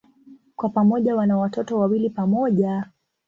Kwa pamoja wana watoto wawili pamoja.